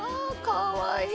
かわいい。